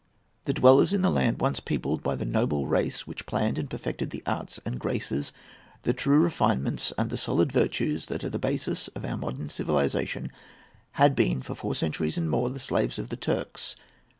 The dwellers in the land once peopled by the noble race which planned and perfected the arts and graces, the true refinements and the solid virtues that are the basis of our modern civilization, had been for four centuries and more the slaves of the Turks.